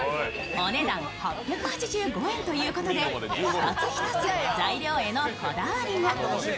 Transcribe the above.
お値段８８５円ということで一つ一つ材料へのこだわりが。